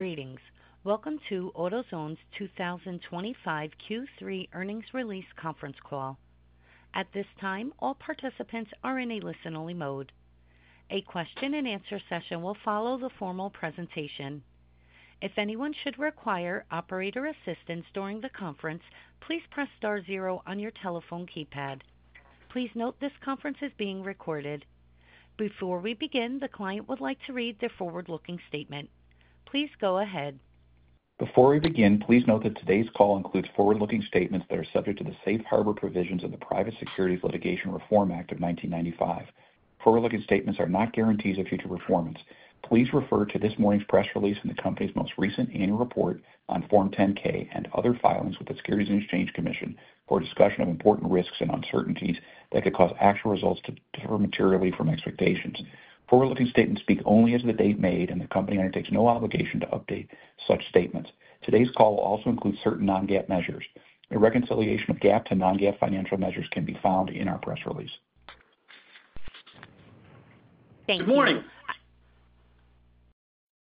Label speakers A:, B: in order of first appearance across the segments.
A: Greetings. Welcome to AutoZone's 2025 Q3 earnings release conference call. At this time, all participants are in a listen-only mode. A question-and-answer session will follow the formal presentation. If anyone should require operator assistance during the conference, please press star zero on your telephone keypad. Please note this conference is being recorded. Before we begin, the client would like to read their forward-looking statement. Please go ahead.
B: Before we begin, please note that today's call includes forward-looking statements that are subject to the Safe Harbor Provisions of the Private Securities Litigation Reform Act of 1995. Forward-looking statements are not guarantees of future performance. Please refer to this morning's press release and the company's most recent annual report on Form 10-K and other filings with the Securities and Exchange Commission for discussion of important risks and uncertainties that could cause actual results to differ materially from expectations. Forward-looking statements speak only as of the date made, and the company undertakes no obligation to update such statements. Today's call will also include certain non-GAAP measures. A reconciliation of GAAP to non-GAAP financial measures can be found in our press release.
A: Thank you.
C: Good morning.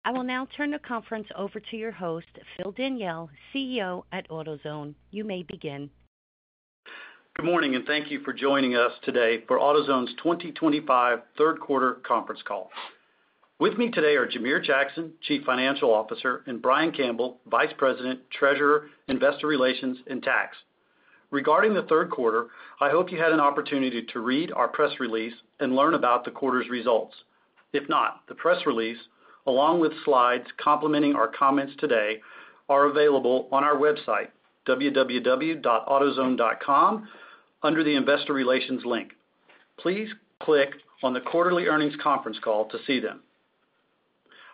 A: I will now turn the conference over to your host, Phil Daniele, CEO at AutoZone. You may begin.
C: Good morning, and thank you for joining us today for AutoZone's 2025 third-quarter conference call. With me today are Jamere Jackson, Chief Financial Officer, and Brian Campbell, Vice President, Treasurer, Investor Relations, and Tax. Regarding the third quarter, I hope you had an opportunity to read our press release and learn about the quarter's results. If not, the press release, along with slides complementing our comments today, are available on our website, www.autozone.com, under the Investor Relations link. Please click on the quarterly earnings conference call to see them.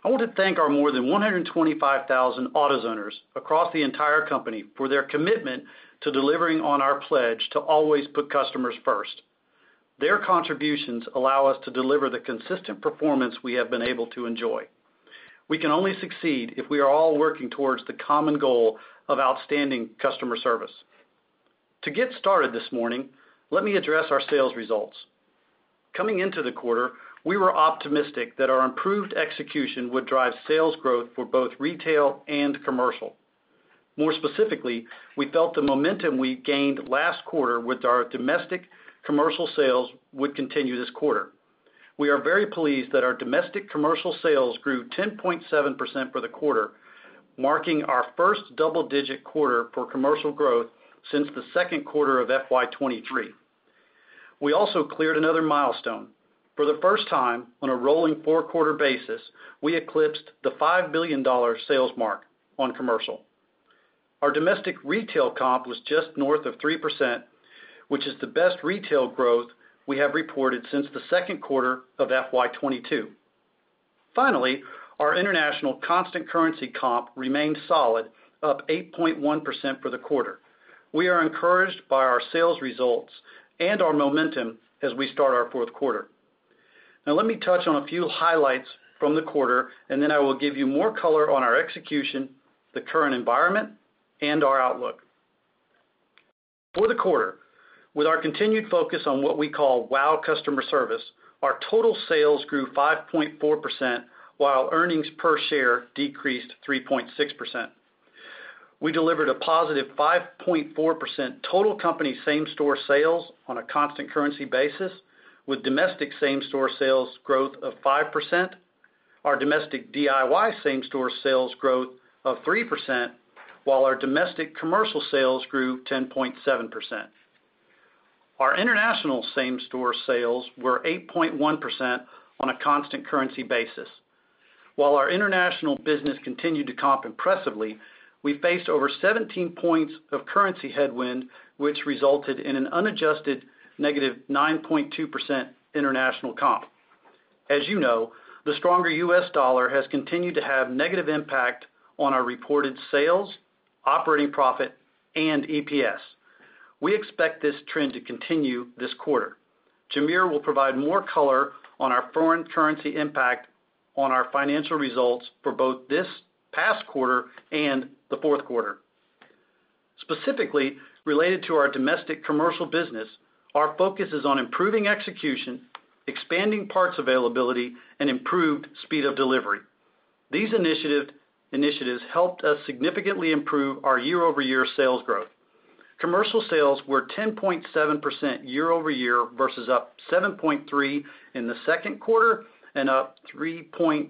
C: I want to thank our more than 125,000 AutoZoners across the entire company for their commitment to delivering on our pledge to always put customers first. Their contributions allow us to deliver the consistent performance we have been able to enjoy. We can only succeed if we are all working towards the common goal of outstanding customer service. To get started this morning, let me address our sales results. Coming into the quarter, we were optimistic that our improved execution would drive sales growth for both retail and commercial. More specifically, we felt the momentum we gained last quarter with our domestic commercial sales would continue this quarter. We are very pleased that our domestic commercial sales grew 10.7% for the quarter, marking our first double-digit quarter for commercial growth since the second quarter of 2023. We also cleared another milestone. For the first time, on a rolling four-quarter basis, we eclipsed the $5 billion sales mark on commercial. Our domestic retail comp was just north of 3%, which is the best retail growth we have reported since the second quarter of FY 2022. Finally, our international constant currency comp remained solid, up 8.1% for the quarter. We are encouraged by our sales results and our momentum as we start our fourth quarter. Now, let me touch on a few highlights from the quarter, and then I will give you more color on our execution, the current environment, and our outlook. For the quarter, with our continued focus on what we call WOW Customer Service, our total sales grew 5.4% while earnings per share decreased 3.6%. We delivered a positive 5.4% total company same-store sales on a constant currency basis, with domestic same-store sales growth of 5%, our domestic DIY same-store sales growth of 3%, while our domestic commercial sales grew 10.7%. Our international same-store sales were 8.1% on a constant currency basis. While our international business continued to comp impressively, we faced over 17 percentage points of currency headwind, which resulted in an unadjusted negative 9.2% international comp. As you know, the stronger US dollar has continued to have a negative impact on our reported sales, operating profit, and EPS. We expect this trend to continue this quarter. Jamere will provide more color on our foreign currency impact on our financial results for both this past quarter and the fourth quarter. Specifically, related to our domestic commercial business, our focus is on improving execution, expanding parts availability, and improved speed of delivery. These initiatives helped us significantly improve our year-over-year sales growth. Commercial sales were 10.7% year-over-year versus up 7.3% in the second quarter and up 3.2%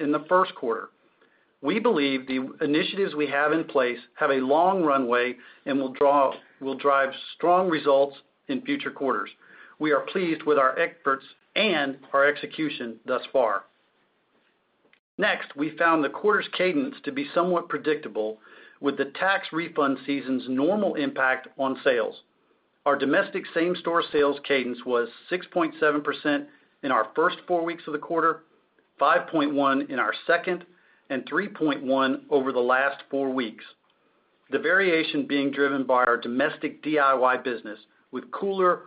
C: in the first quarter. We believe the initiatives we have in place have a long runway and will drive strong results in future quarters. We are pleased with our efforts and our execution thus far. Next, we found the quarter's cadence to be somewhat predictable, with the tax refund season's normal impact on sales. Our domestic same-store sales cadence was 6.7% in our first four weeks of the quarter, 5.1% in our second, and 3.1% over the last four weeks, the variation being driven by our domestic DIY business with cooler,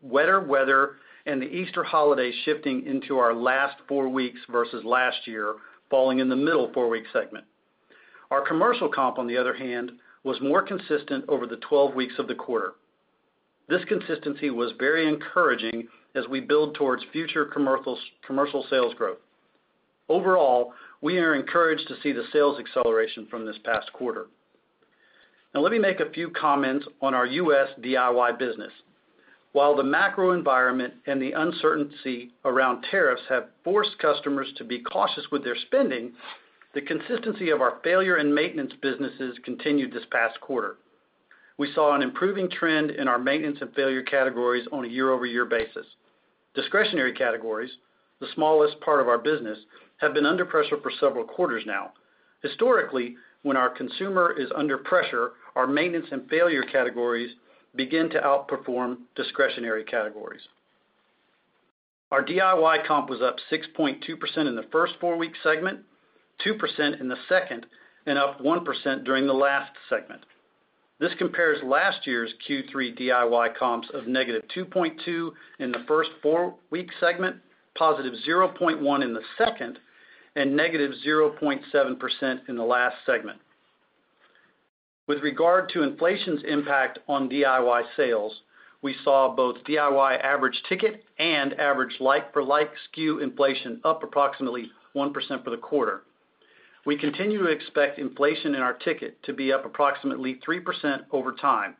C: wetter weather and the Easter holidays shifting into our last four weeks versus last year, falling in the middle four-week segment. Our commercial comp, on the other hand, was more consistent over the 12 weeks of the quarter. This consistency was very encouraging as we build towards future commercial sales growth. Overall, we are encouraged to see the sales acceleration from this past quarter. Now, let me make a few comments on our U.S. DIY business. While the macro environment and the uncertainty around tariffs have forced customers to be cautious with their spending, the consistency of our failure and maintenance businesses continued this past quarter. We saw an improving trend in our maintenance and failure categories on a year-over-year basis. Discretionary categories, the smallest part of our business, have been under pressure for several quarters now. Historically, when our consumer is under pressure, our maintenance and failure categories begin to outperform discretionary categories. Our DIY comp was up 6.2% in the first four-week segment, 2% in the second, and up 1% during the last segment. This compares last year's Q3 DIY comps of negative 2.2% in the first four-week segment, positive 0.1% in the second, and negative 0.7% in the last segment. With regard to inflation's impact on DIY sales, we saw both DIY average ticket and average like-for-like SKU inflation up approximately 1% for the quarter. We continue to expect inflation in our ticket to be up approximately 3% over time,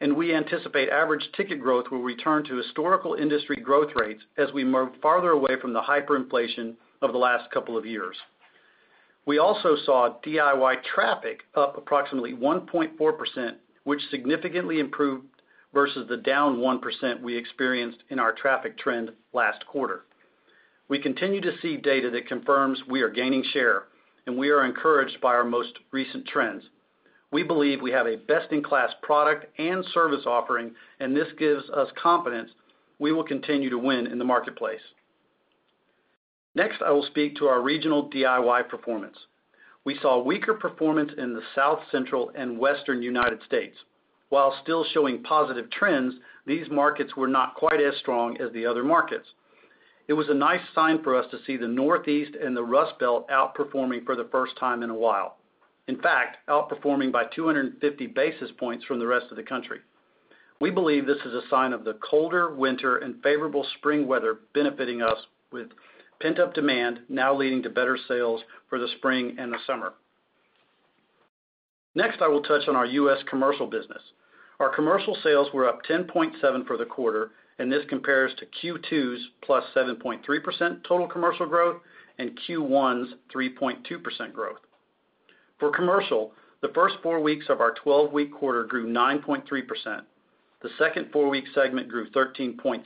C: and we anticipate average ticket growth will return to historical industry growth rates as we move farther away from the hyperinflation of the last couple of years. We also saw DIY traffic up approximately 1.4%, which significantly improved versus the down 1% we experienced in our traffic trend last quarter. We continue to see data that confirms we are gaining share, and we are encouraged by our most recent trends. We believe we have a best-in-class product and service offering, and this gives us confidence we will continue to win in the marketplace. Next, I will speak to our regional DIY performance. We saw weaker performance in the South Central and Western United States. While still showing positive trends, these markets were not quite as strong as the other markets. It was a nice sign for us to see the Northeast and the Rust Belt outperforming for the first time in a while, in fact, outperforming by 250 basis points from the rest of the country. We believe this is a sign of the colder winter and favorable spring weather benefiting us with pent-up demand now leading to better sales for the spring and the summer. Next, I will touch on our US commercial business. Our commercial sales were up 10.7% for the quarter, and this compares to Q2's plus 7.3% total commercial growth and Q1's 3.2% growth. For commercial, the first four weeks of our 12-week quarter grew 9.3%. The second four-week segment grew 13.6%,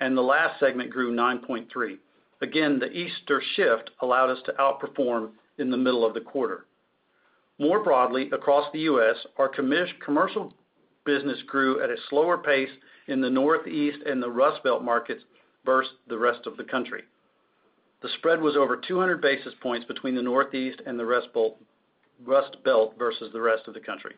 C: and the last segment grew 9.3%. Again, the Easter shift allowed us to outperform in the middle of the quarter. More broadly, across the U.S., our commercial business grew at a slower pace in the Northeast and the Rust Belt markets versus the rest of the country. The spread was over 200 basis points between the Northeast and the Rust Belt versus the rest of the country.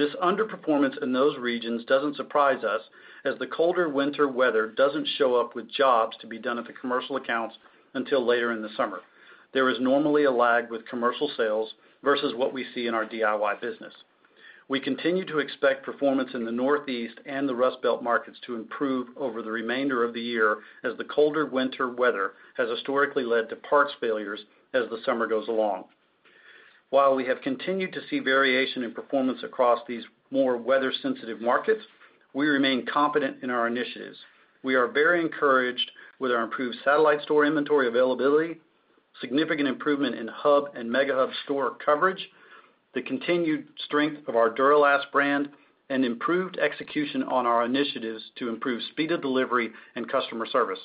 C: This underperformance in those regions does not surprise us as the colder winter weather does not show up with jobs to be done at the commercial accounts until later in the summer. There is normally a lag with commercial sales versus what we see in our DIY business. We continue to expect performance in the Northeast and the Rust Belt markets to improve over the remainder of the year as the colder winter weather has historically led to parts failures as the summer goes along. While we have continued to see variation in performance across these more weather-sensitive markets, we remain confident in our initiatives. We are very encouraged with our improved satellite store inventory availability, significant improvement in Hub and MegaHub store coverage, the continued strength of our Duralast brand, and improved execution on our initiatives to improve speed of delivery and customer service.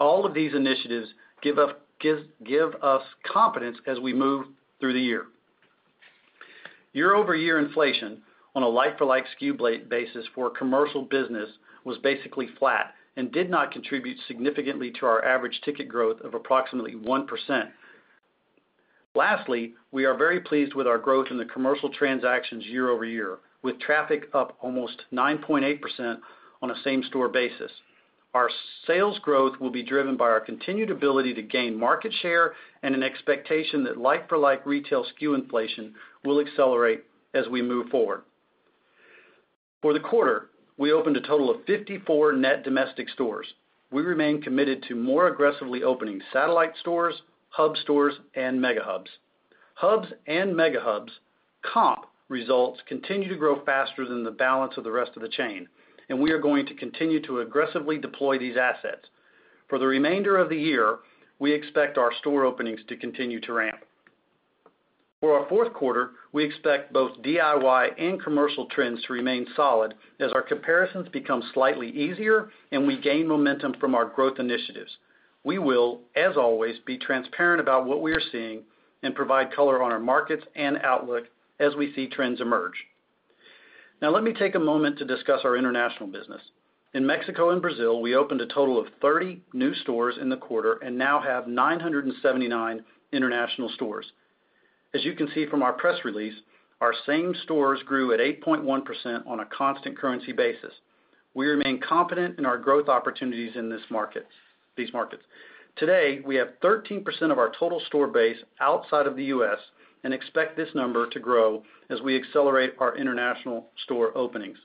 C: All of these initiatives give us confidence as we move through the year. Year-over-year inflation on a like-for-like SKU basis for commercial business was basically flat and did not contribute significantly to our average ticket growth of approximately 1%. Lastly, we are very pleased with our growth in the commercial transactions year-over-year, with traffic up almost 9.8% on a same-store basis. Our sales growth will be driven by our continued ability to gain market share and an expectation that like-for-like retail SKU inflation will accelerate as we move forward. For the quarter, we opened a total of 54 net domestic stores. We remain committed to more aggressively opening satellite stores, Hub stores, and MegaHubs. Hubs and MegaHubs comp results continue to grow faster than the balance of the rest of the chain, and we are going to continue to aggressively deploy these assets. For the remainder of the year, we expect our store openings to continue to ramp. For our fourth quarter, we expect both DIY and commercial trends to remain solid as our comparisons become slightly easier and we gain momentum from our growth initiatives. We will, as always, be transparent about what we are seeing and provide color on our markets and outlook as we see trends emerge. Now, let me take a moment to discuss our international business. In Mexico and Brazil, we opened a total of 30 new stores in the quarter and now have 979 international stores. As you can see from our press release, our same stores grew at 8.1% on a constant currency basis. We remain confident in our growth opportunities in these markets. Today, we have 13% of our total store base outside of the U.S. and expect this number to grow as we accelerate our international store openings.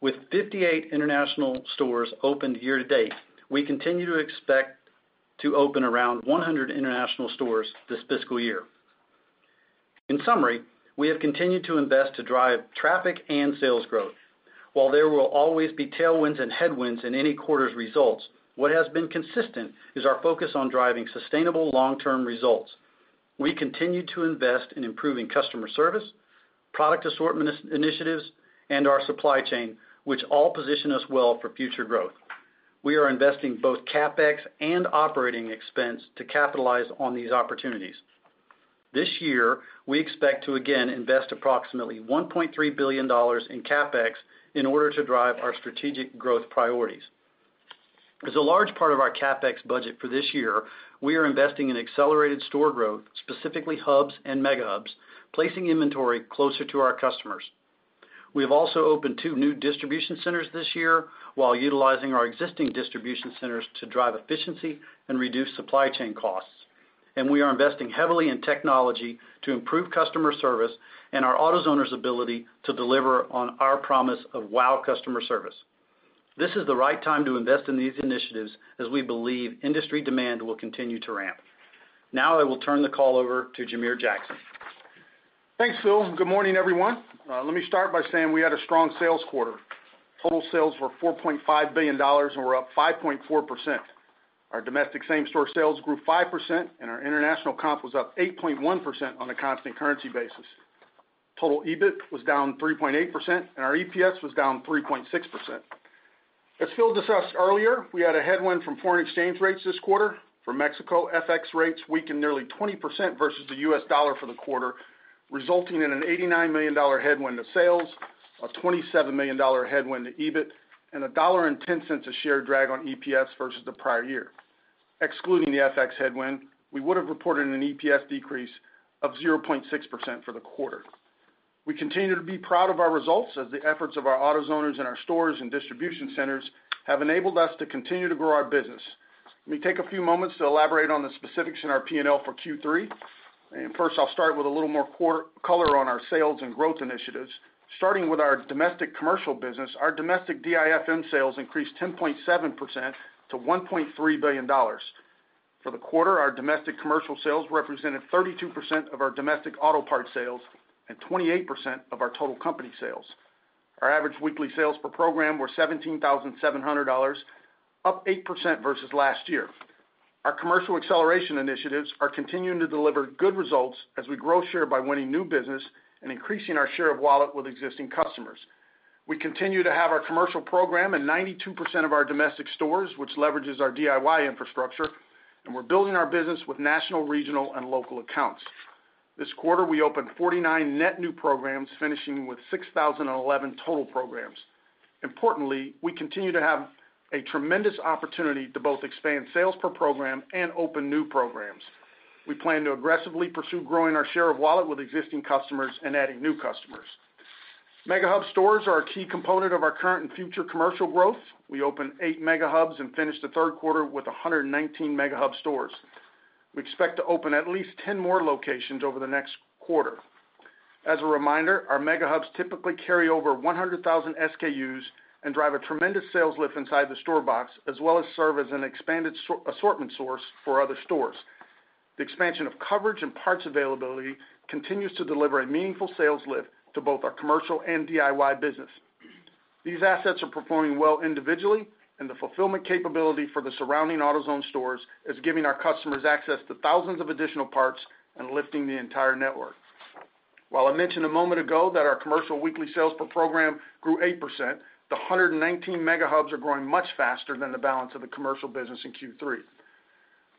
C: With 58 international stores opened year to date, we continue to expect to open around 100 international stores this fiscal year. In summary, we have continued to invest to drive traffic and sales growth. While there will always be tailwinds and headwinds in any quarter's results, what has been consistent is our focus on driving sustainable long-term results. We continue to invest in improving customer service, product assortment initiatives, and our supply chain, which all position us well for future growth. We are investing both CapEx and operating expense to capitalize on these opportunities. This year, we expect to again invest approximately $1.3 billion in CapEx in order to drive our strategic growth priorities. As a large part of our CapEx budget for this year, we are investing in accelerated store growth, specifically Hubs and MegaHubs, placing inventory closer to our customers. We have also opened two new distribution centers this year while utilizing our existing distribution centers to drive efficiency and reduce supply chain costs. We are investing heavily in technology to improve customer service and our AutoZoners' ability to deliver on our promise of WOW Customer Service. This is the right time to invest in these initiatives as we believe industry demand will continue to ramp. Now, I will turn the call over to Jamere Jackson.
D: Thanks, Phil. Good morning, everyone. Let me start by saying we had a strong sales quarter. Total sales were $4.5 billion, and we're up 5.4%. Our domestic same-store sales grew 5%, and our international comp was up 8.1% on a constant currency basis. Total EBIT was down 3.8%, and our EPS was down 3.6%. As Phil discussed earlier, we had a headwind from foreign exchange rates this quarter. For Mexico, FX rates weakened nearly 20% versus the US dollar for the quarter, resulting in an $89 million headwind to sales, a $27 million headwind to EBIT, and a $1.10 a share drag on EPS versus the prior year. Excluding the FX headwind, we would have reported an EPS decrease of 0.6% for the quarter. We continue to be proud of our results as the efforts of our AutoZoners and our stores and distribution centers have enabled us to continue to grow our business. Let me take a few moments to elaborate on the specifics in our P&L for Q3. First, I'll start with a little more color on our sales and growth initiatives. Starting with our domestic commercial business, our domestic DIFM sales increased 10.7% to $1.3 billion. For the quarter, our domestic commercial sales represented 32% of our domestic auto parts sales and 28% of our total company sales. Our average weekly sales per program were $17,700, up 8% versus last year. Our commercial acceleration initiatives are continuing to deliver good results as we grow share by winning new business and increasing our share of wallet with existing customers. We continue to have our commercial program in 92% of our domestic stores, which leverages our DIY infrastructure, and we're building our business with national, regional, and local accounts. This quarter, we opened 49 net new programs, finishing with 6,011 total programs. Importantly, we continue to have a tremendous opportunity to both expand sales per program and open new programs. We plan to aggressively pursue growing our share of wallet with existing customers and adding new customers. MegaHub stores are a key component of our current and future commercial growth. We opened eight MegaHubs and finished the third quarter with 119 MegaHub stores. We expect to open at least 10 more locations over the next quarter. As a reminder, our MegaHubs typically carry over 100,000 SKUs and drive a tremendous sales lift inside the store box, as well as serve as an expanded assortment source for other stores. The expansion of coverage and parts availability continues to deliver a meaningful sales lift to both our commercial and DIY business. These assets are performing well individually, and the fulfillment capability for the surrounding AutoZone stores is giving our customers access to thousands of additional parts and lifting the entire network. While I mentioned a moment ago that our commercial weekly sales per program grew 8%, the 119 MegaHubs are growing much faster than the balance of the commercial business in Q3.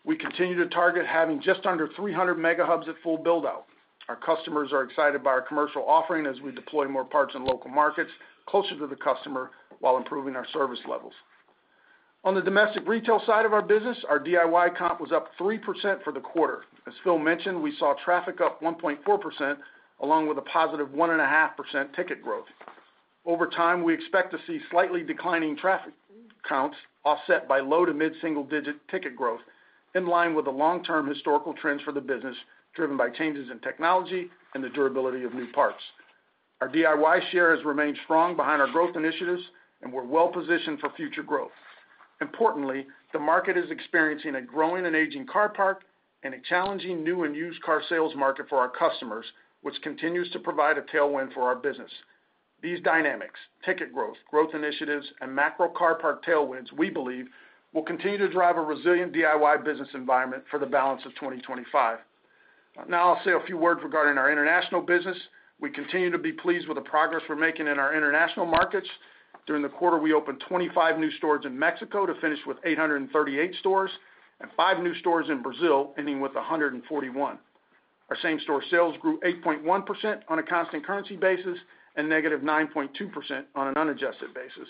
D: We continue to target having just under 300 MegaHubs at full build-out. Our customers are excited by our commercial offering as we deploy more parts in local markets closer to the customer while improving our service levels. On the domestic retail side of our business, our DIY comp was up 3% for the quarter. As Phil mentioned, we saw traffic up 1.4% along with a positive 1.5% ticket growth. Over time, we expect to see slightly declining traffic counts offset by low to mid-single-digit ticket growth, in line with the long-term historical trends for the business driven by changes in technology and the durability of new parts. Our DIY share has remained strong behind our growth initiatives, and we're well positioned for future growth. Importantly, the market is experiencing a growing and aging car park and a challenging new and used car sales market for our customers, which continues to provide a tailwind for our business. These dynamics, ticket growth, growth initiatives, and macro car park tailwinds, we believe, will continue to drive a resilient DIY business environment for the balance of 2025. Now, I'll say a few words regarding our international business. We continue to be pleased with the progress we're making in our international markets. During the quarter, we opened 25 new stores in Mexico to finish with 838 stores and five new stores in Brazil, ending with 141. Our same-store sales grew 8.1% on a constant currency basis and negative 9.2% on an unadjusted basis.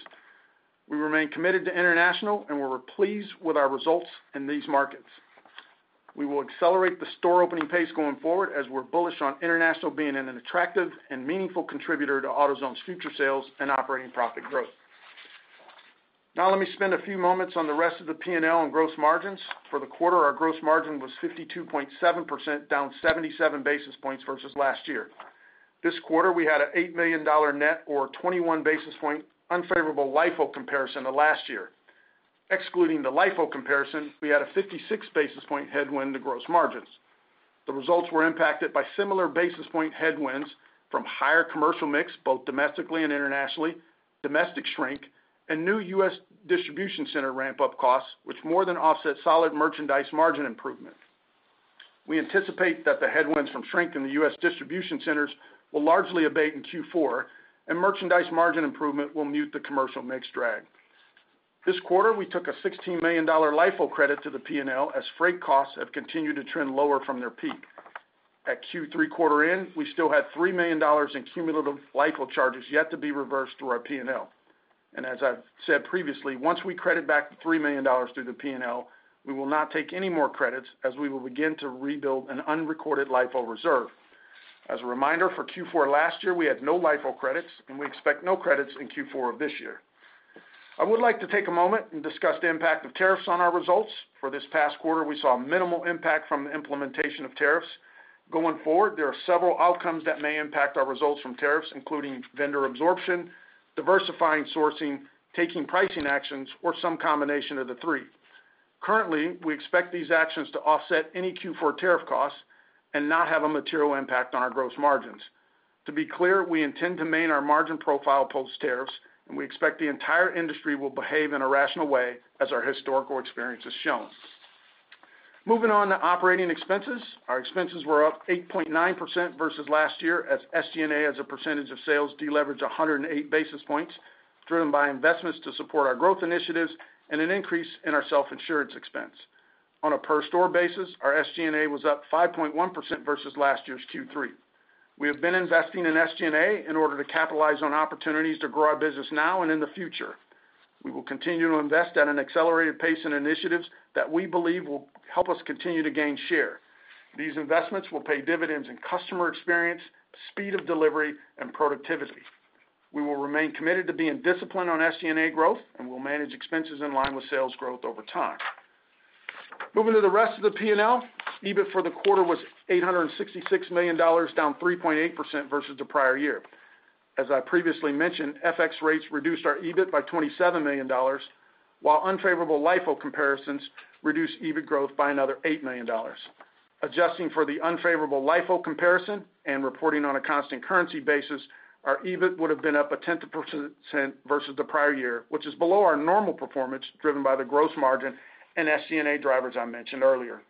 D: We remain committed to international and were pleased with our results in these markets. We will accelerate the store opening pace going forward as we're bullish on international being an attractive and meaningful contributor to AutoZone's future sales and operating profit growth. Now, let me spend a few moments on the rest of the P&L and gross margins. For the quarter, our gross margin was 52.7%, down 77 basis points versus last year. This quarter, we had an $8 million net or 21 basis point unfavorable LIFO comparison to last year. Excluding the LIFO comparison, we had a 56 basis point headwind to gross margins. The results were impacted by similar basis point headwinds from higher commercial mix, both domestically and internationally, domestic shrink, and new U.S. distribution center ramp-up costs, which more than offset solid merchandise margin improvement. We anticipate that the headwinds from shrink in the US distribution centers will largely abate in Q4, and merchandise margin improvement will mute the commercial mix drag. This quarter, we took a $16 million LIFO credit to the P&L as freight costs have continued to trend lower from their peak. At Q3 quarter end, we still had $3 million in cumulative LIFO charges yet to be reversed through our P&L. As I've said previously, once we credit back the $3 million through the P&L, we will not take any more credits as we will begin to rebuild an unrecorded LIFO reserve. As a reminder, for Q4 last year, we had no LIFO credits, and we expect no credits in Q4 of this year. I would like to take a moment and discuss the impact of tariffs on our results. For this past quarter, we saw minimal impact from the implementation of tariffs. Going forward, there are several outcomes that may impact our results from tariffs, including vendor absorption, diversifying sourcing, taking pricing actions, or some combination of the three. Currently, we expect these actions to offset any Q4 tariff costs and not have a material impact on our gross margins. To be clear, we intend to maintain our margin profile post-tariffs, and we expect the entire industry will behave in a rational way as our historical experience has shown. Moving on to operating expenses, our expenses were up 8.9% versus last year as SG&A as a percentage of sales deleveraged 108 basis points, driven by investments to support our growth initiatives and an increase in our self-insurance expense. On a per-store basis, our SG&A was up 5.1% versus last year's Q3. We have been investing in SG&A in order to capitalize on opportunities to grow our business now and in the future. We will continue to invest at an accelerated pace in initiatives that we believe will help us continue to gain share. These investments will pay dividends in customer experience, speed of delivery, and productivity. We will remain committed to being disciplined on SG&A growth, and we'll manage expenses in line with sales growth over time. Moving to the rest of the P&L, EBIT for the quarter was $866 million, down 3.8% versus the prior year. As I previously mentioned, FX rates reduced our EBIT by $27 million, while unfavorable LIFO comparisons reduced EBIT growth by another $8 million. Adjusting for the unfavorable LIFO comparison and reporting on a constant currency basis, our EBIT would have been up 10% versus the prior year, which is below our normal performance driven by the gross margin and SG&A drivers I mentioned earlier.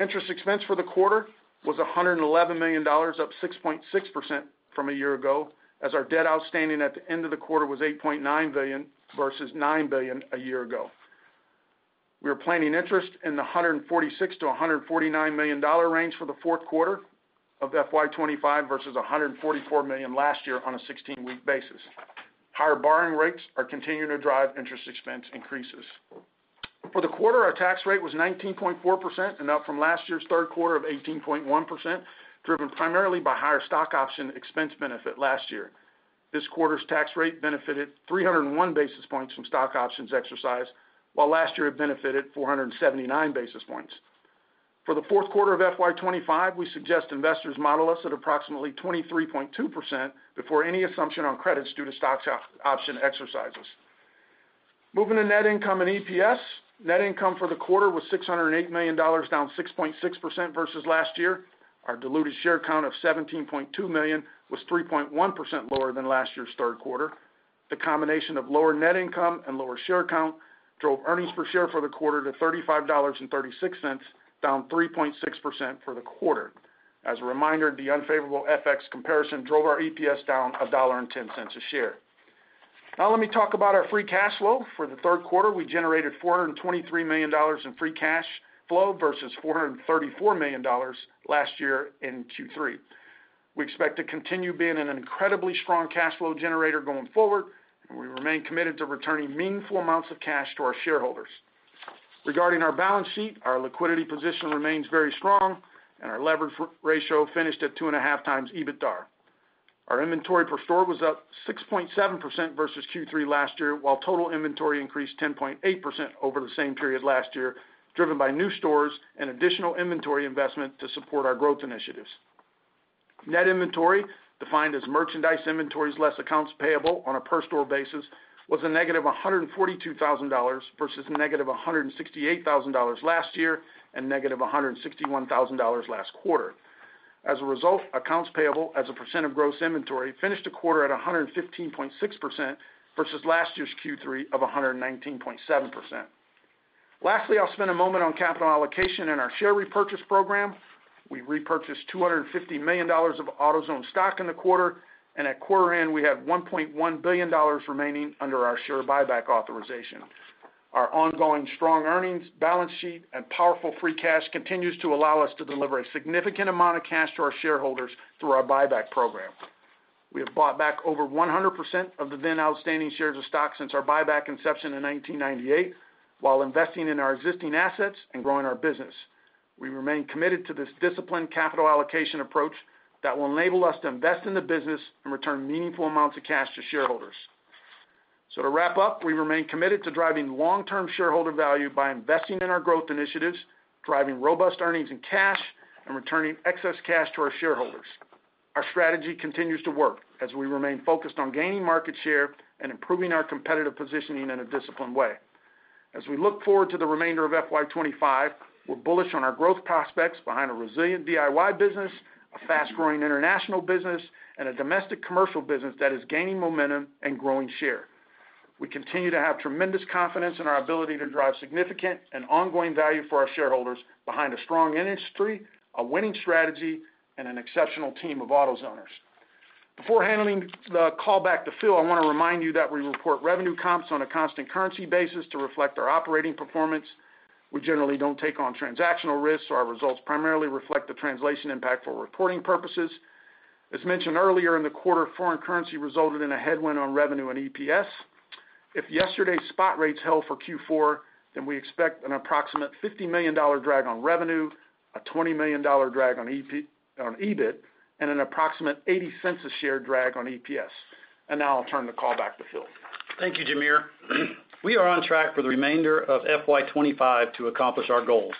D: Interest expense for the quarter was $111 million, up 6.6% from a year ago, as our debt outstanding at the end of the quarter was $8.9 billion versus $9 billion a year ago. We are planning interest in the $146 million-$149 million range for the fourth quarter of FY 2025 versus $144 million last year on a 16-week basis. Higher borrowing rates are continuing to drive interest expense increases. For the quarter, our tax rate was 19.4% and up from last year's third quarter of 18.1%, driven primarily by higher stock option expense benefit last year. This quarter's tax rate benefited 301 basis points from stock options exercise, while last year it benefited 479 basis points. For the fourth quarter of FY 2025, we suggest investors model us at approximately 23.2% before any assumption on credits due to stock option exercises. Moving to net income and EPS, net income for the quarter was $608 million, down 6.6% versus last year. Our diluted share count of 17.2 million was 3.1% lower than last year's third quarter. The combination of lower net income and lower share count drove earnings per share for the quarter to $35.36, down 3.6% for the quarter. As a reminder, the unfavorable FX comparison drove our EPS down $1.10 a share. Now, let me talk about our free cash flow. For the third quarter, we generated $423 million in free cash flow versus $434 million last year in Q3. We expect to continue being an incredibly strong cash flow generator going forward, and we remain committed to returning meaningful amounts of cash to our shareholders. Regarding our balance sheet, our liquidity position remains very strong, and our leverage ratio finished at 2.5x EBITDA. Our inventory per store was up 6.7% versus Q3 last year, while total inventory increased 10.8% over the same period last year, driven by new stores and additional inventory investment to support our growth initiatives. Net inventory, defined as merchandise inventories less accounts payable on a per-store basis, was a -$142,000 versus a -$168,000 last year and -$161,000 last quarter. As a result, accounts payable as a percent of gross inventory finished the quarter at 115.6% versus last year's Q3 of 119.7%. Lastly, I'll spend a moment on capital allocation and our share repurchase program. We repurchased $250 million of AutoZone stock in the quarter, and at quarter end, we had $1.1 billion remaining under our share buyback authorization. Our ongoing strong earnings, balance sheet, and powerful free cash continue to allow us to deliver a significant amount of cash to our shareholders through our buyback program. We have bought back over 100% of the then outstanding shares of stock since our buyback inception in 1998, while investing in our existing assets and growing our business. We remain committed to this disciplined capital allocation approach that will enable us to invest in the business and return meaningful amounts of cash to shareholders. To wrap up, we remain committed to driving long-term shareholder value by investing in our growth initiatives, driving robust earnings in cash, and returning excess cash to our shareholders. Our strategy continues to work as we remain focused on gaining market share and improving our competitive positioning in a disciplined way. As we look forward to the remainder of FY 2025, we're bullish on our growth prospects behind a resilient DIY business, a fast-growing international business, and a domestic commercial business that is gaining momentum and growing share. We continue to have tremendous confidence in our ability to drive significant and ongoing value for our shareholders behind a strong industry, a winning strategy, and an exceptional team of AutoZoners. Before handing the call back to Phil, I want to remind you that we report revenue comps on a constant currency basis to reflect our operating performance. We generally do not take on transactional risks, so our results primarily reflect the translation impact for reporting purposes. As mentioned earlier, in the quarter, foreign currency resulted in a headwind on revenue and EPS. If yesterday's spot rates held for Q4, then we expect an approximate $50 million drag on revenue, a $20 million drag on EBIT, and an approximate $0.80 a share drag on EPS. I will now turn the call back to Phil.
C: Thank you, Jamere. We are on track for the remainder of FY 2025 to accomplish our goals.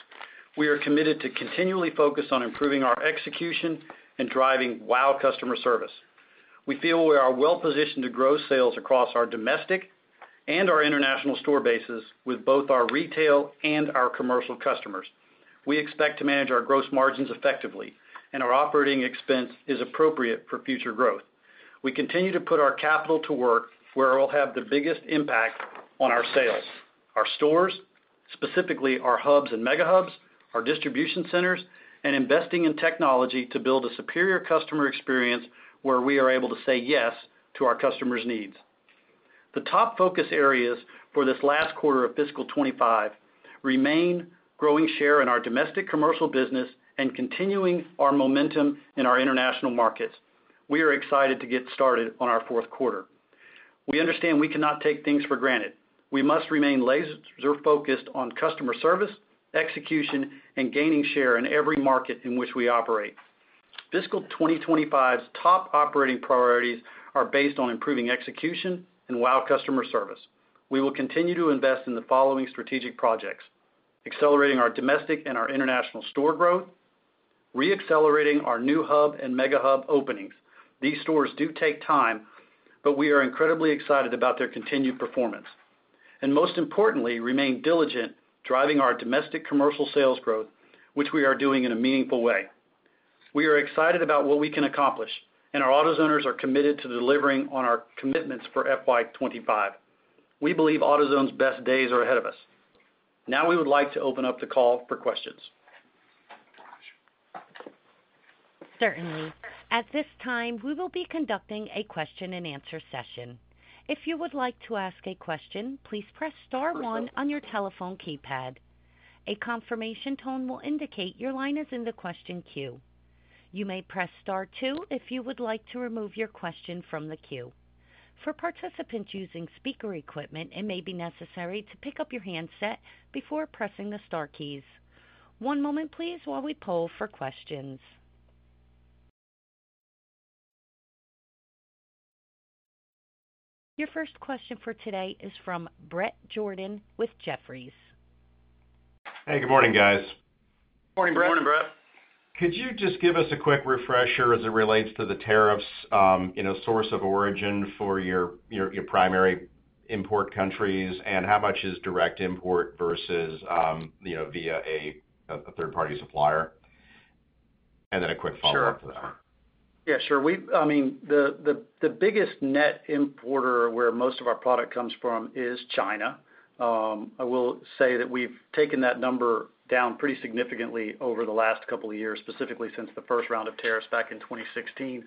C: We are committed to continually focus on improving our execution and driving WOW Customer Service. We feel we are well positioned to grow sales across our domestic and our international store bases with both our retail and our commercial customers. We expect to manage our gross margins effectively, and our operating expense is appropriate for future growth. We continue to put our capital to work where it will have the biggest impact on our sales. Our stores, specifically our Hubs and MegaHubs, our distribution centers, and investing in technology to build a superior customer experience where we are able to say yes to our customers' needs. The top focus areas for this last quarter of fiscal 2025 remain growing share in our domestic commercial business and continuing our momentum in our international markets. We are excited to get started on our fourth quarter. We understand we cannot take things for granted. We must remain laser-focused on customer service, execution, and gaining share in every market in which we operate. Fiscal 2025's top operating priorities are based on improving execution and WOW Customer Service. We will continue to invest in the following strategic projects: accelerating our domestic and our international store growth, re-accelerating our new Hub and MegaHub openings. These stores do take time, but we are incredibly excited about their continued performance. Most importantly, remain diligent driving our domestic commercial sales growth, which we are doing in a meaningful way. We are excited about what we can accomplish, and our AutoZoners are committed to delivering on our commitments for FY 2025. We believe AutoZone's best days are ahead of us. Now we would like to open up the call for questions.
A: Certainly. At this time, we will be conducting a question-and-answer session. If you would like to ask a question, please press Star 1 on your telephone keypad. A confirmation tone will indicate your line is in the question queue. You may press Star 2 if you would like to remove your question from the queue. For participants using speaker equipment, it may be necessary to pick up your handset before pressing the Star keys. One moment, please, while we poll for questions. Your first question for today is from Bret Jordan with Jefferies.
E: Hey, good morning, guys.
C: Good morning, Bret.
D: Good morning, Bret.
E: Could you just give us a quick refresher as it relates to the tariffs, source of origin for your primary import countries, and how much is direct import versus via a third-party supplier? And then a quick follow-up to that.
C: Sure. Yeah, sure. I mean, the biggest net importer where most of our product comes from is China. I will say that we've taken that number down pretty significantly over the last couple of years, specifically since the first round of tariffs back in 2016.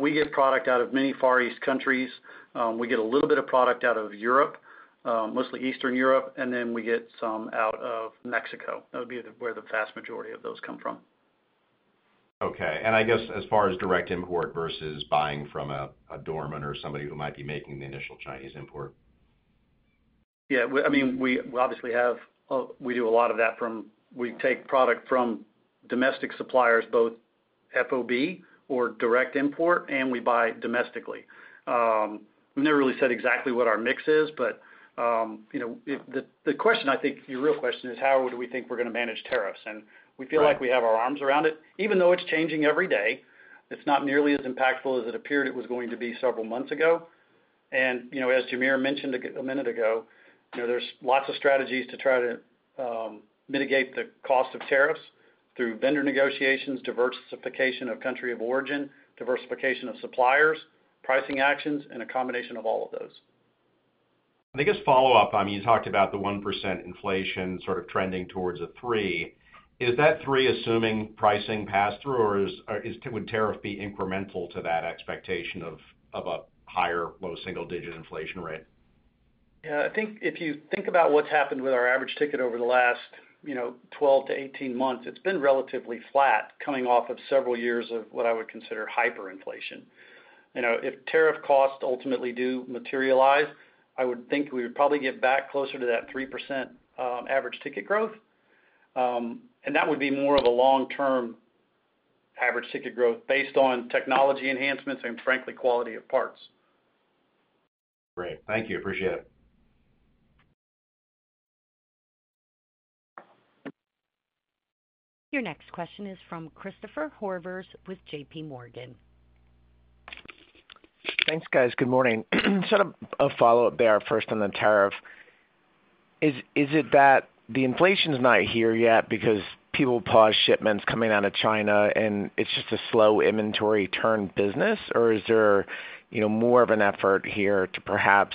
C: We get product out of many far East countries. We get a little bit of product out of Europe, mostly Eastern Europe, and then we get some out of Mexico. That would be where the vast majority of those come from.
E: Okay. I guess as far as direct import versus buying from a doorman or somebody who might be making the initial Chinese import?
C: Yeah. I mean, we obviously have, we do a lot of that from, we take product from domestic suppliers, both FOB or direct import, and we buy domestically. We've never really said exactly what our mix is, but the question, I think your real question is, how do we think we're going to manage tariffs? We feel like we have our arms around it. Even though it is changing every day, it is not nearly as impactful as it appeared it was going to be several months ago. As Jamere mentioned a minute ago, there are lots of strategies to try to mitigate the cost of tariffs through vendor negotiations, diversification of country of origin, diversification of suppliers, pricing actions, and a combination of all of those.
E: I think as follow-up, I mean, you talked about the 1% inflation sort of trending towards a 3%. Is that 3% assuming pricing passed through, or would tariff be incremental to that expectation of a higher, low single-digit inflation rate?
C: Yeah. I think if you think about what has happened with our average ticket over the last 12 to 18 months, it has been relatively flat coming off of several years of what I would consider hyperinflation. If tariff costs ultimately do materialize, I would think we would probably get back closer to that 3% average ticket growth. That would be more of a long-term average ticket growth based on technology enhancements and, frankly, quality of parts.
E: Great. Thank you. Appreciate it.
A: Your next question is from Christopher Horvers with JPMorgan.
F: Thanks, guys. Good morning. A follow-up there first on the tariff. Is it that the inflation's not here yet because people paused shipments coming out of China and it's just a slow inventory turn business, or is there more of an effort here to perhaps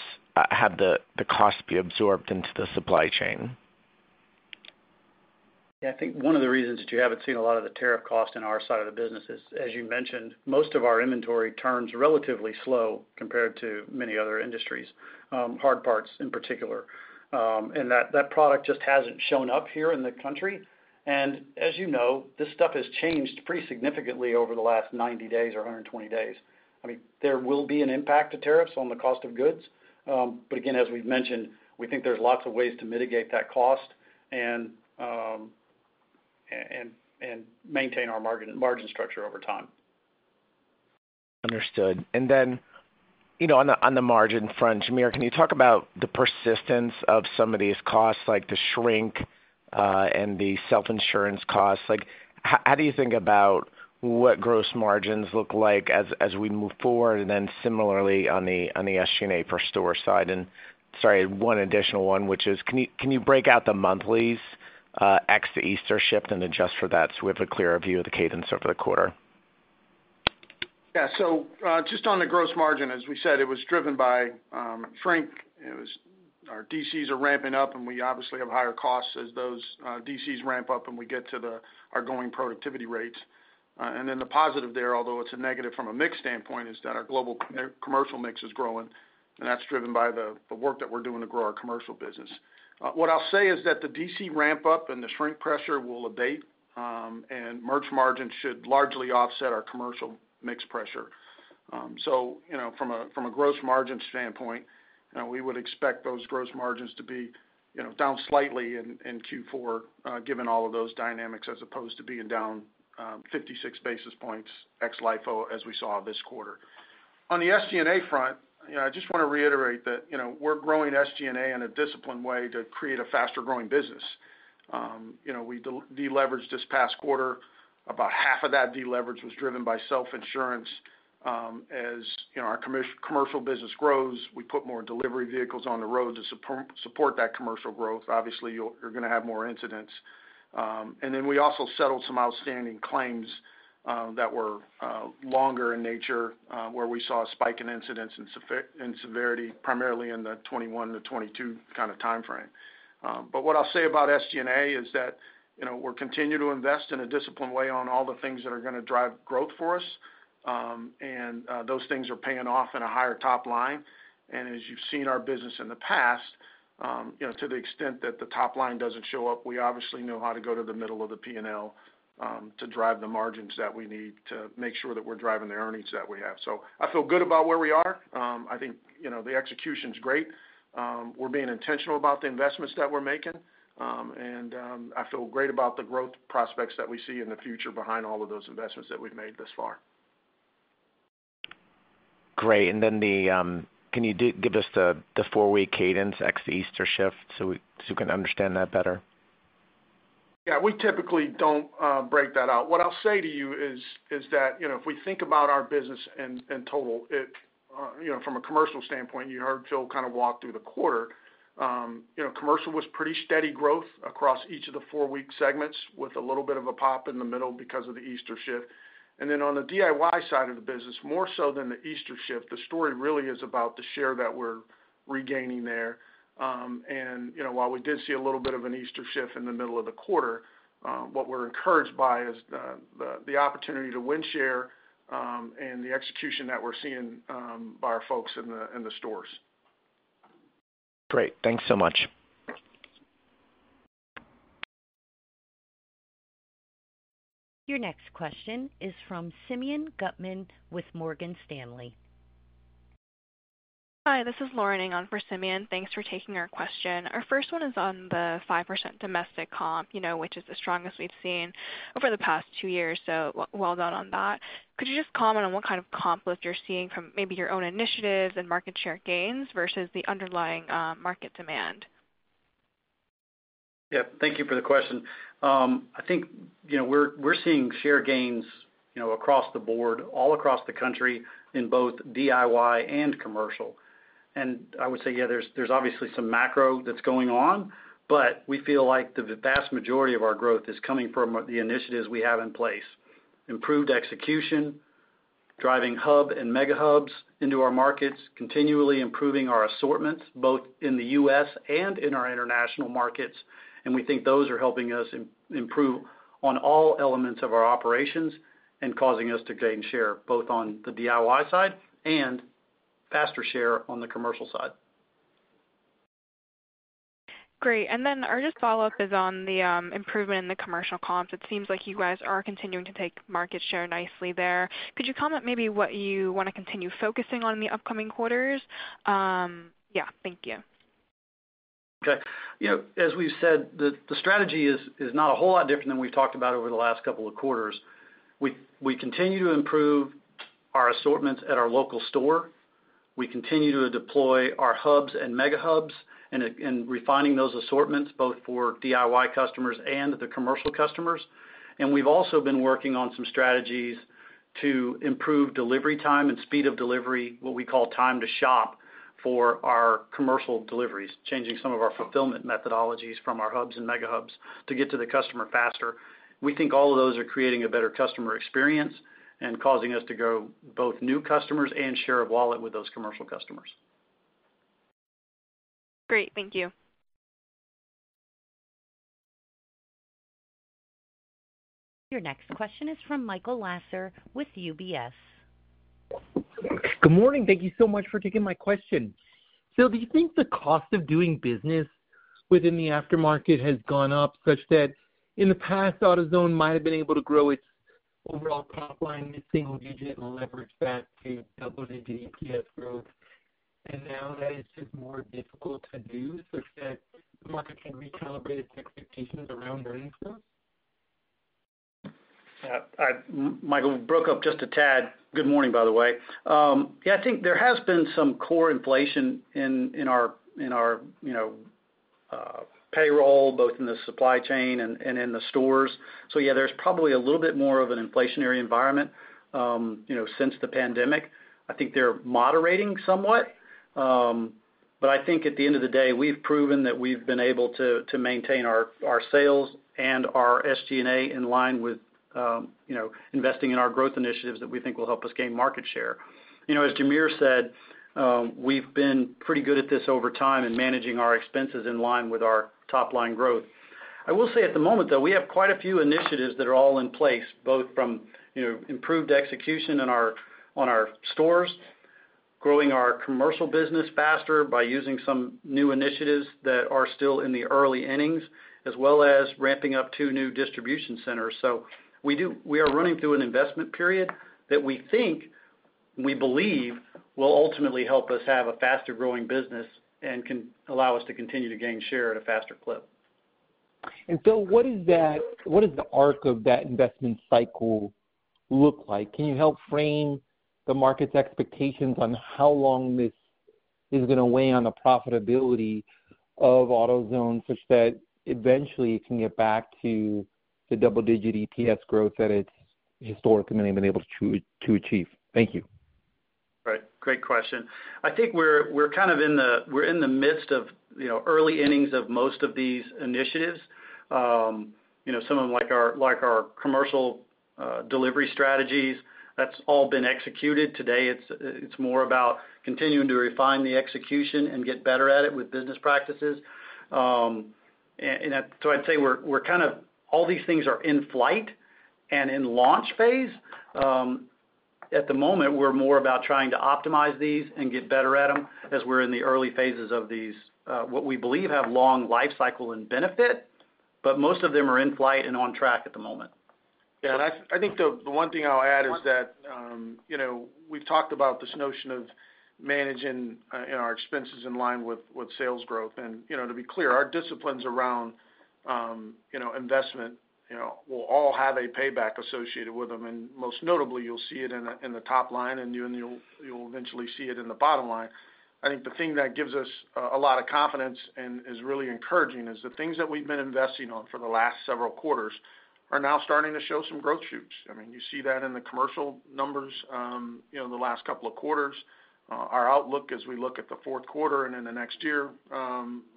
F: have the cost be absorbed into the supply chain?
C: Yeah. I think one of the reasons that you haven't seen a lot of the tariff cost on our side of the business is, as you mentioned, most of our inventory turns relatively slow compared to many other industries, hard parts in particular. That product just hasn't shown up here in the country. As you know, this stuff has changed pretty significantly over the last 90 days or 120 days. I mean, there will be an impact to tariffs on the cost of goods. Again, as we've mentioned, we think there's lots of ways to mitigate that cost and maintain our margin structure over time.
F: Understood. On the margin front, Jamere, can you talk about the persistence of some of these costs, like the shrink and the self-insurance costs? How do you think about what gross margins look like as we move forward? Then similarly on the SG&A per store side, and sorry, one additional one, which is, can you break out the monthlies ex the Easter shift and adjust for that so we have a clearer view of the cadence over the quarter?
D: Yeah. Just on the gross margin, as we said, it was driven by shrink. Our DCs are ramping up, and we obviously have higher costs as those DCs ramp up and we get to our going productivity rates. The positive there, although it is a negative from a mix standpoint, is that our global commercial mix is growing, and that is driven by the work that we are doing to grow our commercial business. What I will say is that the DC ramp-up and the shrink pressure will abate, and merch margins should largely offset our commercial mix pressure. From a gross margin standpoint, we would expect those gross margins to be down slightly in Q4, given all of those dynamics, as opposed to being down 56 basis points ex LIFO as we saw this quarter. On the SG&A front, I just want to reiterate that we're growing SG&A in a disciplined way to create a faster-growing business. We deleveraged this past quarter. About half of that deleverage was driven by self-insurance. As our commercial business grows, we put more delivery vehicles on the road to support that commercial growth. Obviously, you're going to have more incidents. We also settled some outstanding claims that were longer in nature, where we saw a spike in incidents and severity, primarily in the 2021 to 2022 kind of timeframe. What I'll say about SG&A is that we're continuing to invest in a disciplined way on all the things that are going to drive growth for us, and those things are paying off in a higher top line. As you've seen our business in the past, to the extent that the top line doesn't show up, we obviously know how to go to the middle of the P&L to drive the margins that we need to make sure that we're driving the earnings that we have. I feel good about where we are. I think the execution's great. We're being intentional about the investments that we're making, and I feel great about the growth prospects that we see in the future behind all of those investments that we've made thus far.
F: Great. Can you give us the four-week cadence ex the Easter shift so we can understand that better?
D: Yeah. We typically do not break that out. What I will say to you is that if we think about our business in total, from a commercial standpoint, you heard Phil kind of walk through the quarter. Commercial was pretty steady growth across each of the four-week segments, with a little bit of a pop in the middle because of the Easter shift. On the DIY side of the business, more so than the Easter shift, the story really is about the share that we are regaining there. While we did see a little bit of an Easter shift in the middle of the quarter, what we are encouraged by is the opportunity to win share and the execution that we are seeing by our folks in the stores.
F: Great. Thanks so much.
A: Your next question is from Simeon Gutman with Morgan Stanley.
G: Hi. This is Lauren Ng on for Simeon. Thanks for taking our question. Our first one is on the 5% domestic comp, which is the strongest we've seen over the past two years. So well done on that. Could you just comment on what kind of comp look you're seeing from maybe your own initiatives and market share gains versus the underlying market demand?
C: Yeah. Thank you for the question. I think we're seeing share gains across the board, all across the country, in both DIY and commercial. I would say, yeah, there's obviously some macro that's going on, but we feel like the vast majority of our growth is coming from the initiatives we have in place: improved execution, driving Hub and MegaHubs into our markets, continually improving our assortments, both in the U.S. and in our international markets. We think those are helping us improve on all elements of our operations and causing us to gain share both on the DIY side and faster share on the commercial side.
G: Great. Our follow-up is on the improvement in the commercial comps. It seems like you guys are continuing to take market share nicely there. Could you comment maybe what you want to continue focusing on in the upcoming quarters? Yeah. Thank you.
C: Okay. As we've said, the strategy is not a whole lot different than we've talked about over the last couple of quarters. We continue to improve our assortments at our local store. We continue to deploy our Hubs and MegaHubs and refining those assortments both for DIY customers and the commercial customers. We've also been working on some strategies to improve delivery time and speed of delivery, what we call time to shop, for our commercial deliveries, changing some of our fulfillment methodologies from our Hubs and MegaHubs to get to the customer faster. We think all of those are creating a better customer experience and causing us to grow both new customers and share of wallet with those commercial customers.
G: Great. Thank you.
A: Your next question is from Michael Lasser with UBS.
H: Good morning. Thank you so much for taking my question. Do you think the cost of doing business within the aftermarket has gone up such that in the past, AutoZone might have been able to grow its overall top line in a single digit and leverage that to double into EPS growth? And now that it is just more difficult to do such that the market can recalibrate its expectations around earnings growth?
C: Michael, we broke up just a tad. Good morning, by the way. Yeah. I think there has been some core inflation in our payroll, both in the supply chain and in the stores. So yeah, there is probably a little bit more of an inflationary environment since the pandemic. I think they are moderating somewhat. I think at the end of the day, we've proven that we've been able to maintain our sales and our SG&A in line with investing in our growth initiatives that we think will help us gain market share. As Jamere said, we've been pretty good at this over time in managing our expenses in line with our top line growth. I will say at the moment, though, we have quite a few initiatives that are all in place, both from improved execution on our stores, growing our commercial business faster by using some new initiatives that are still in the early innings, as well as ramping up two new distribution centers. We are running through an investment period that we think, we believe, will ultimately help us have a faster-growing business and can allow us to continue to gain share at a faster clip.
H: Phil, what does the arc of that investment cycle look like? Can you help frame the market's expectations on how long this is going to weigh on the profitability of AutoZone such that eventually it can get back to the double-digit EPS growth that it has historically been able to achieve? Thank you.
C: Right. Great question. I think we are kind of in the midst of early innings of most of these initiatives. Some of them, like our commercial delivery strategies, that has all been executed. Today, it is more about continuing to refine the execution and get better at it with business practices. I would say all these things are in flight and in launch phase. At the moment, we're more about trying to optimize these and get better at them as we're in the early phases of these, what we believe have long lifecycle and benefit, but most of them are in flight and on track at the moment.
D: Yeah. I think the one thing I'll add is that we've talked about this notion of managing our expenses in line with sales growth. To be clear, our disciplines around investment will all have a payback associated with them. Most notably, you'll see it in the top line, and you'll eventually see it in the bottom line. I think the thing that gives us a lot of confidence and is really encouraging is the things that we've been investing on for the last several quarters are now starting to show some growth shoots. I mean, you see that in the commercial numbers the last couple of quarters. Our outlook, as we look at the fourth quarter and in the next year,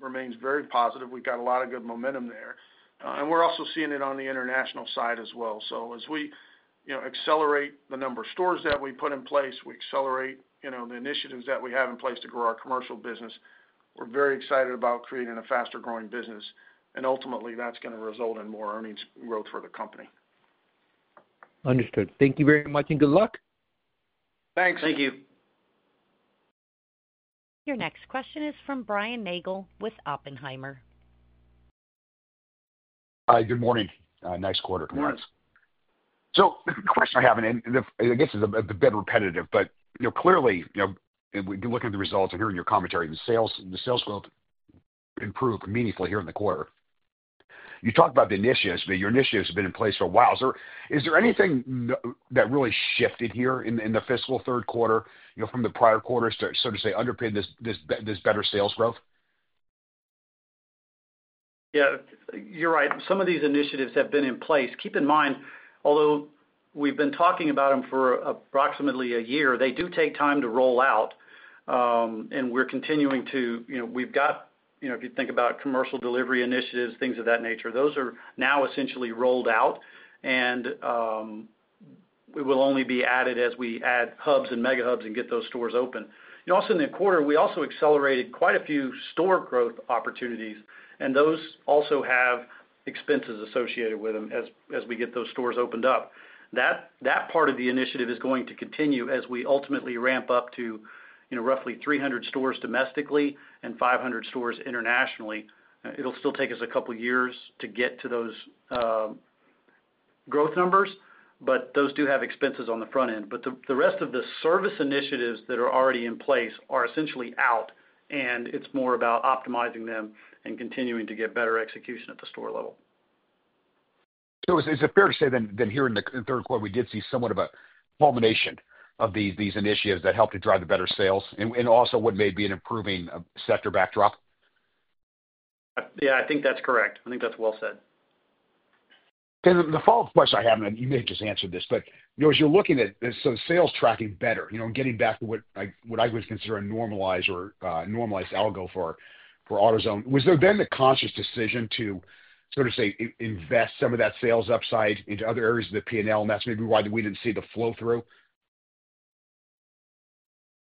D: remains very positive. We have got a lot of good momentum there. We are also seeing it on the international side as well. As we accelerate the number of stores that we put in place, we accelerate the initiatives that we have in place to grow our commercial business, we are very excited about creating a faster-growing business. Ultimately, that is going to result in more earnings growth for the company.
H: Understood. Thank you very much and good luck.
C: Thanks.
D: Thank you.
A: Your next question is from Brian Nagel with Oppenheimer.
I: Hi. Good morning. Nice quarter to us. The question I have, and I guess it's a bit repetitive, but clearly, looking at the results and hearing your commentary, the sales growth improved meaningfully here in the quarter. You talked about the initiatives, but your initiatives have been in place for a while. Is there anything that really shifted here in the fiscal third quarter from the prior quarters to, so to say, underpin this better sales growth?
C: Yeah. You're right. Some of these initiatives have been in place. Keep in mind, although we've been talking about them for approximately a year, they do take time to roll out. We're continuing to, we've got, if you think about commercial delivery initiatives, things of that nature, those are now essentially rolled out, and we will only be added as we add Hubs and MegaHubs and get those stores open. Also, in the quarter, we also accelerated quite a few store growth opportunities, and those also have expenses associated with them as we get those stores opened up. That part of the initiative is going to continue as we ultimately ramp up to roughly 300 stores domestically and 500 stores internationally. It will still take us a couple of years to get to those growth numbers, but those do have expenses on the front end. The rest of the service initiatives that are already in place are essentially out, and it is more about optimizing them and continuing to get better execution at the store level.
I: Is it fair to say that here in the third quarter, we did see somewhat of a culmination of these initiatives that helped to drive the better sales and also what may be an improving sector backdrop?
C: Yeah. I think that is correct. I think that's well said.
I: The follow-up question I have, and you may have just answered this, but as you're looking at some sales tracking better, getting back to what I would consider a normalized algo for AutoZone, was there then a conscious decision to, so to say, invest some of that sales upside into other areas of the P&L? That's maybe why we didn't see the flow through.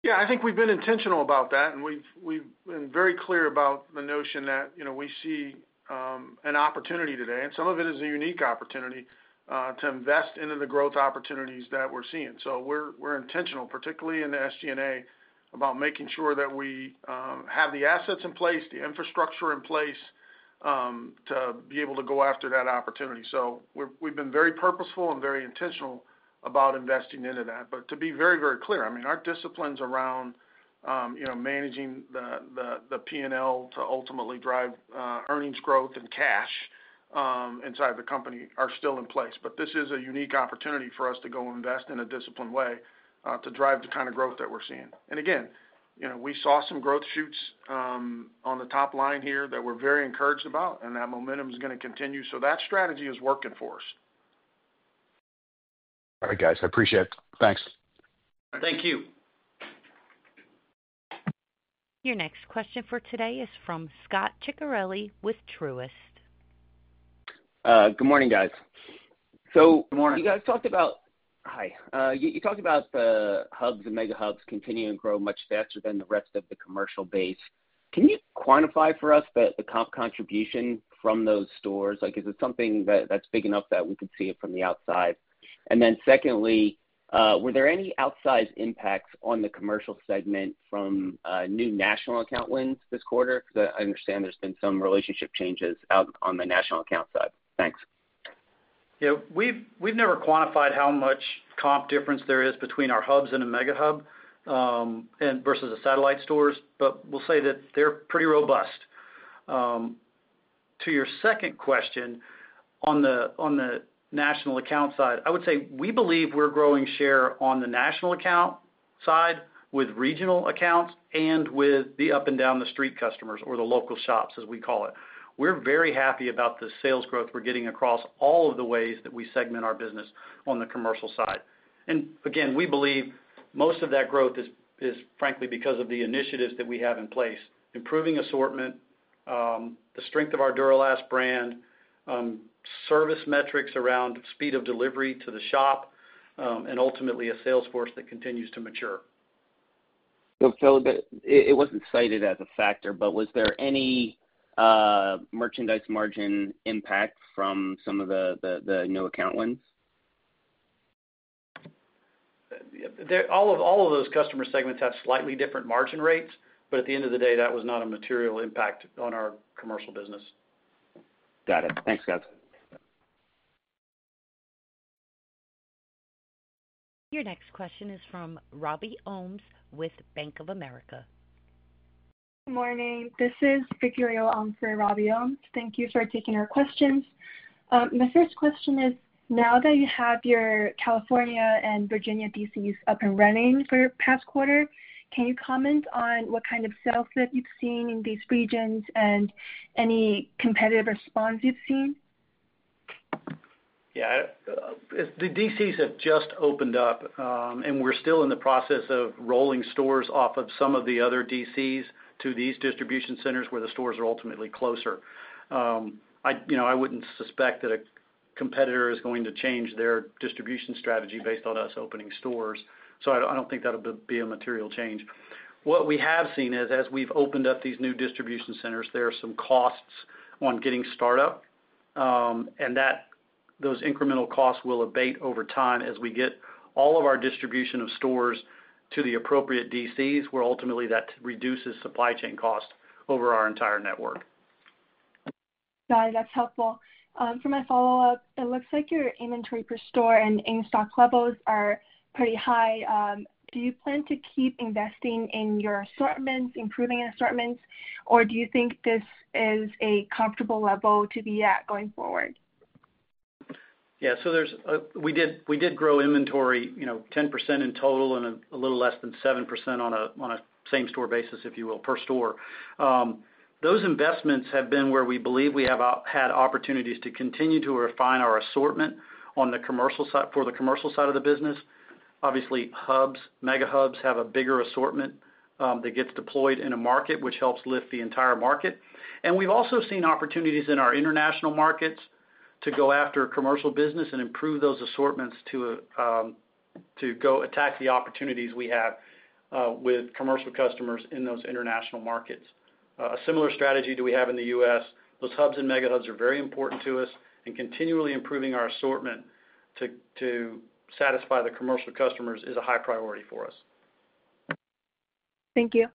C: Yeah. I think we've been intentional about that, and we've been very clear about the notion that we see an opportunity today. Some of it is a unique opportunity to invest into the growth opportunities that we're seeing. We're intentional, particularly in the SG&A, about making sure that we have the assets in place, the infrastructure in place to be able to go after that opportunity. We've been very purposeful and very intentional about investing into that. But to be very, very clear, I mean, our disciplines around managing the P&L to ultimately drive earnings growth and cash inside the company are still in place. This is a unique opportunity for us to go invest in a disciplined way to drive the kind of growth that we're seeing. Again, we saw some growth shoots on the top line here that we're very encouraged about, and that momentum is going to continue. That strategy is working for us.
I: All right, guys. I appreciate it. Thanks.
C: Thank you.
A: Your next question for today is from Scot Ciccarelli with Truist.
J: Good morning, guys. You guys talked about, hi, you talked about the Hubs and MegaHubs continuing to grow much faster than the rest of the commercial base. Can you quantify for us the comp contribution from those stores? Is it something that's big enough that we could see it from the outside? Secondly, were there any outsized impacts on the commercial segment from new national account wins this quarter? I understand there's been some relationship changes out on the national account side. Thanks.
C: Yeah. We've never quantified how much comp difference there is between our Hubs and a MegaHub versus the satellite stores, but we'll say that they're pretty robust. To your second question on the national account side, I would say we believe we're growing share on the national account side with regional accounts and with the up-and-down-the-street customers or the local shops, as we call it. We're very happy about the sales growth we're getting across all of the ways that we segment our business on the commercial side. Again, we believe most of that growth is, frankly, because of the initiatives that we have in place: improving assortment, the strength of our Duralast brand, service metrics around speed of delivery to the shop, and ultimately a sales force that continues to mature.
J: Phil, it was not cited as a factor, but was there any merchandise margin impact from some of the new account wins?
C: All of those customer segments have slightly different margin rates, but at the end of the day, that was not a material impact on our commercial business.
J: Got it. Thanks, guys.
A: Your next question is from Robby Ohmes with Bank of America.
K: Good morning. This is [Figlio] for Robby Ohmes. Thank you for taking our questions. My first question is, now that you have your California and Virginia DCs up and running for the past quarter, can you comment on what kind of sales that you've seen in these regions and any competitive response you've seen?
C: Yeah. The DCs have just opened up, and we're still in the process of rolling stores off of some of the other DCs to these distribution centers where the stores are ultimately closer. I wouldn't suspect that a competitor is going to change their distribution strategy based on us opening stores. I don't think that'll be a material change. What we have seen is, as we've opened up these new distribution centers, there are some costs on getting startup, and those incremental costs will abate over time as we get all of our distribution of stores to the appropriate DCs, where ultimately that reduces supply chain costs over our entire network.
K: Got it. That's helpful. For my follow-up, it looks like your inventory per store and in-stock levels are pretty high. Do you plan to keep investing in your assortments, improving assortments, or do you think this is a comfortable level to be at going forward?
C: Yeah. We did grow inventory 10% in total and a little less than 7% on a same-store basis, if you will, per store. Those investments have been where we believe we have had opportunities to continue to refine our assortment for the commercial side of the business. Obviously, Hubs, MegaHubs have a bigger assortment that gets deployed in a market, which helps lift the entire market. We have also seen opportunities in our international markets to go after commercial business and improve those assortments to go attack the opportunities we have with commercial customers in those international markets. A similar strategy do we have in the U.S. Those Hubs and MegaHubs are very important to us, and continually improving our assortment to satisfy the commercial customers is a high priority for us.
K: Thank you.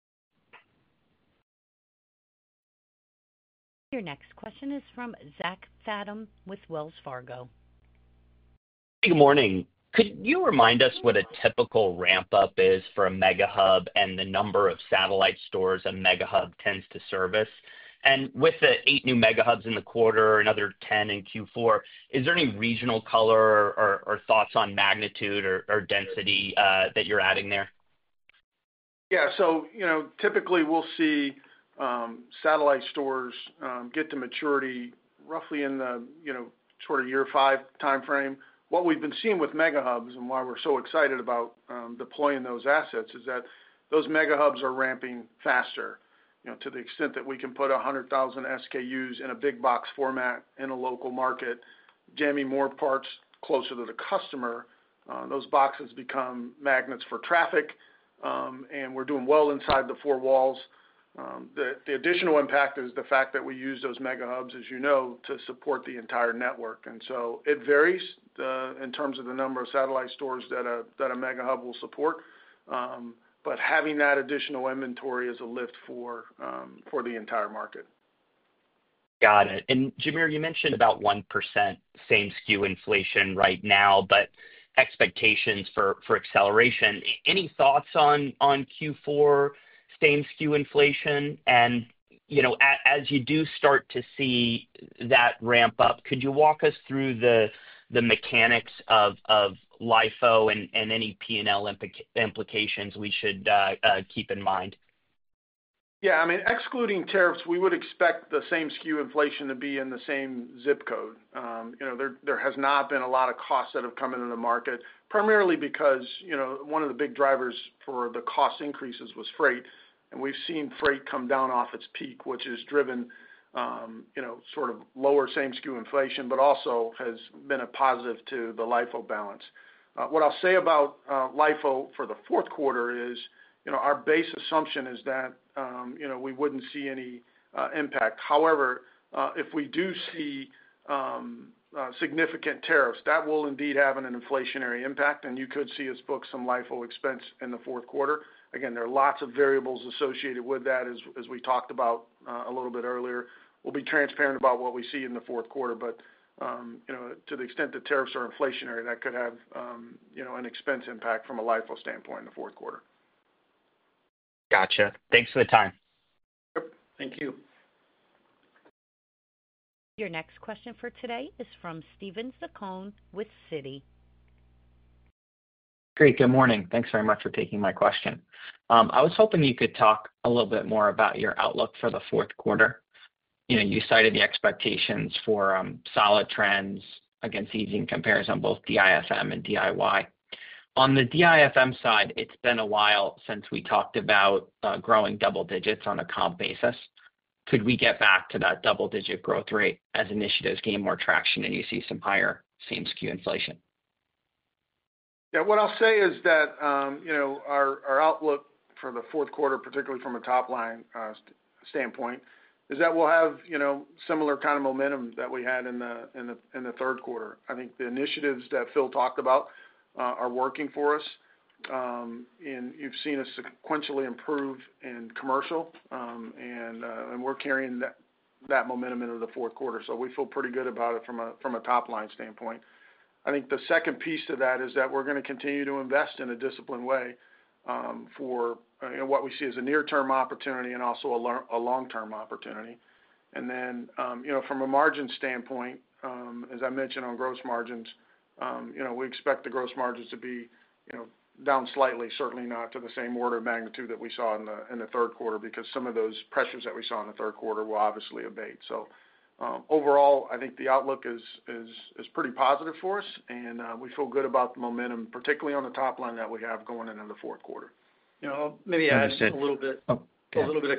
A: Your next question is from Zach Fadem with Wells Fargo.
L: Hey, good morning. Could you remind us what a typical ramp-up is for a MegaHub and the number of satellite stores a MegaHub tends to service? With the eight new MegaHubs in the quarter, another 10 in Q4, is there any regional color or thoughts on magnitude or density that you're adding there?
C: Yeah. Typically, we'll see satellite stores get to maturity roughly in the sort of year-five timeframe. What we've been seeing with MegaHubs and why we're so excited about deploying those assets is that those MegaHubs are ramping faster to the extent that we can put 100,000 SKUs in a big box format in a local market, jamming more parts closer to the customer. Those boxes become magnets for traffic, and we're doing well inside the four walls. The additional impact is the fact that we use those MegaHubs, as you know, to support the entire network. It varies in terms of the number of satellite stores that a MegaHub will support, but having that additional inventory is a lift for the entire market.
L: Got it. And Jamere, you mentioned about 1% same-skew inflation right now, but expectations for acceleration. Any thoughts on Q4 same-skew inflation? And as you do start to see that ramp-up, could you walk us through the mechanics of LIFO and any P&L implications we should keep in mind?
D: Yeah. I mean, excluding tariffs, we would expect the same-skew inflation to be in the same zip code. There has not been a lot of costs that have come into the market, primarily because one of the big drivers for the cost increases was freight. We have seen freight come down off its peak, which has driven sort of lower same-skew inflation, but also has been a positive to the LIFO balance. What I will say about LIFO for the fourth quarter is our base assumption is that we would not see any impact. However, if we do see significant tariffs, that will indeed have an inflationary impact, and you could see us book some LIFO expense in the fourth quarter. Again, there are lots of variables associated with that, as we talked about a little bit earlier. We will be transparent about what we see in the fourth quarter, but to the extent that tariffs are inflationary, that could have an expense impact from a LIFO standpoint in the fourth quarter.
L: Gotcha. Thanks for the time.
C: Yep. Thank you.
A: Your next question for today is from Steven Zaccone with Citi.
M: Great. Good morning. Thanks very much for taking my question. I was hoping you could talk a little bit more about your outlook for the fourth quarter. You cited the expectations for solid trends against easing comparison on both DIFM and DIY. On the DIFM side, it's been a while since we talked about growing double digits on a comp basis. Could we get back to that double-digit growth rate as initiatives gain more traction and you see some higher same-skew inflation?
C: Yeah. What I'll say is that our outlook for the fourth quarter, particularly from a top-line standpoint, is that we'll have similar kind of momentum that we had in the third quarter. I think the initiatives that Phil talked about are working for us. You've seen us sequentially improve in commercial, and we're carrying that momentum into the fourth quarter. We feel pretty good about it from a top-line standpoint. I think the second piece to that is that we're going to continue to invest in a disciplined way for what we see as a near-term opportunity and also a long-term opportunity. From a margin standpoint, as I mentioned on gross margins, we expect the gross margins to be down slightly, certainly not to the same order of magnitude that we saw in the third quarter because some of those pressures that we saw in the third quarter will obviously abate. Overall, I think the outlook is pretty positive for us, and we feel good about the momentum, particularly on the top line that we have going into the fourth quarter.
D: Maybe I add a little bit of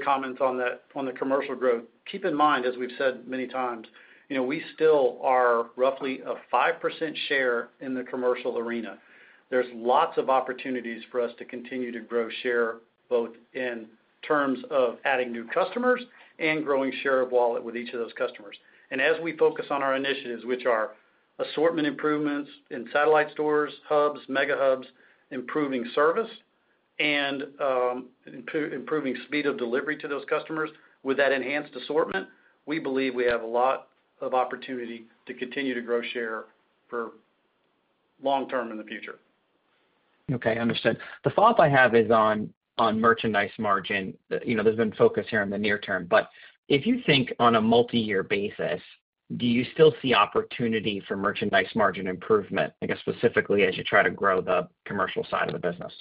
D: comments on the commercial growth. Keep in mind, as we've said many times, we still are roughly a 5% share in the commercial arena. There's lots of opportunities for us to continue to grow share both in terms of adding new customers and growing share of wallet with each of those customers. As we focus on our initiatives, which are assortment improvements in satellite stores, Hubs, MegaHubs, improving service, and improving speed of delivery to those customers, with that enhanced assortment, we believe we have a lot of opportunity to continue to grow share for long-term in the future.
M: Okay. Understood. The follow-up I have is on merchandise margin. There's been focus here in the near term, but if you think on a multi-year basis, do you still see opportunity for merchandise margin improvement, I guess, specifically as you try to grow the commercial side of the business?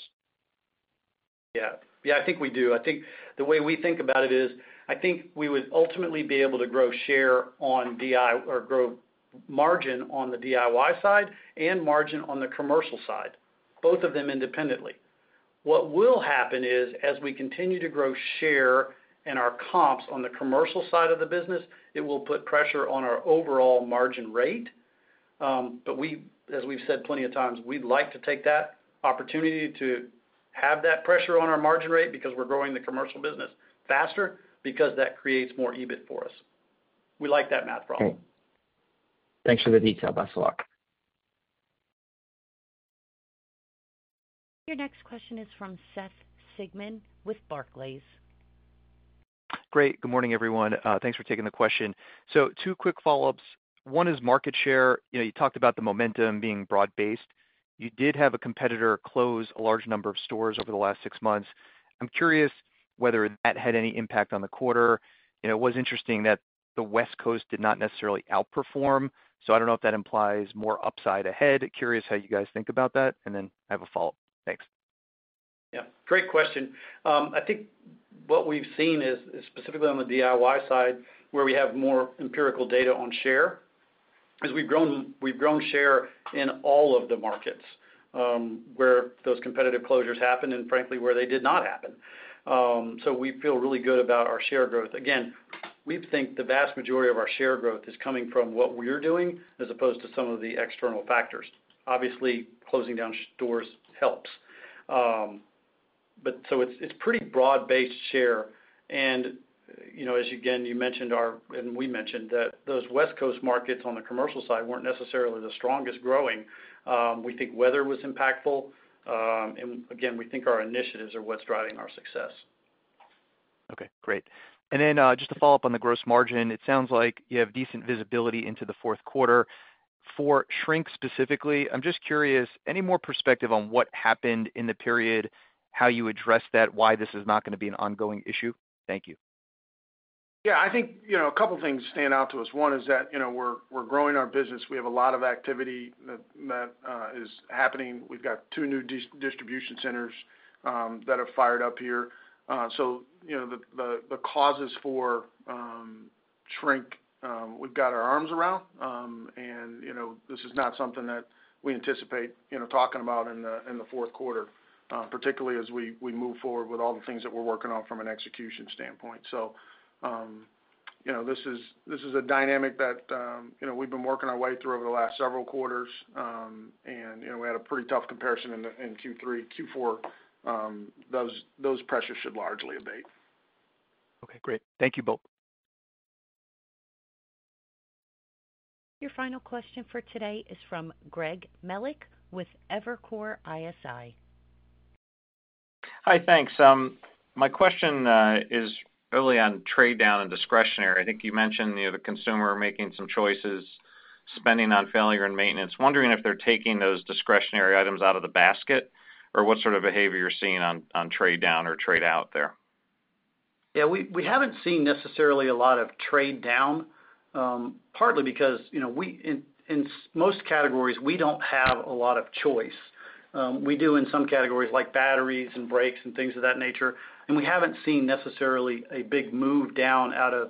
C: Yeah. Yeah. I think we do. I think the way we think about it is I think we would ultimately be able to grow share on or grow margin on the DIY side and margin on the commercial side, both of them independently. What will happen is, as we continue to grow share in our comps on the commercial side of the business, it will put pressure on our overall margin rate. As we have said plenty of times, we would like to take that opportunity to have that pressure on our margin rate because we are growing the commercial business faster, because that creates more EBIT for us. We like that math problem.
M: Thanks for the detail. Best of luck.
A: Your next question is from Seth Sigman with Barclays.
N: Great. Good morning, everyone. Thanks for taking the question. Two quick follow-ups. One is market share. You talked about the momentum being broad-based. You did have a competitor close a large number of stores over the last six months. I'm curious whether that had any impact on the quarter. It was interesting that the West Coast did not necessarily outperform. I do not know if that implies more upside ahead. Curious how you guys think about that. I have a follow-up. Thanks.
C: Yeah. Great question. I think what we've seen is, specifically on the DIY side, where we have more empirical data on share, is we've grown share in all of the markets where those competitive closures happened and, frankly, where they did not happen. We feel really good about our share growth. Again, we think the vast majority of our share growth is coming from what we're doing as opposed to some of the external factors. Obviously, closing down stores helps. It is pretty broad-based share. As, again, you mentioned and we mentioned that those West Coast markets on the commercial side were not necessarily the strongest growing. We think weather was impactful. Again, we think our initiatives are what is driving our success.
N: Okay. Great. Just to follow up on the gross margin, it sounds like you have decent visibility into the fourth quarter. For shrink specifically, I am just curious, any more perspective on what happened in the period, how you addressed that, why this is not going to be an ongoing issue? Thank you.
C: Yeah. I think a couple of things stand out to us. One is that we are growing our business. We have a lot of activity that is happening. We have two new distribution centers that have fired up here. The causes for shrink, we have our arms around. This is not something that we anticipate talking about in the fourth quarter, particularly as we move forward with all the things that we are working on from an execution standpoint. This is a dynamic that we have been working our way through over the last several quarters. We had a pretty tough comparison in Q3. Q4, those pressures should largely abate.
N: Okay. Great. Thank you both.
A: Your final question for today is from Greg Melich with Evercore ISI.
O: Hi. Thanks. My question is really on trade-down and discretionary. I think you mentioned the consumer making some choices, spending on failure and maintenance. Wondering if they are taking those discretionary items out of the basket or what sort of behavior you are seeing on trade-down or trade-out there.
C: Yeah. We have not seen necessarily a lot of trade-down, partly because in most categories, we do not have a lot of choice. We do in some categories like batteries and brakes and things of that nature. We have not seen necessarily a big move down out of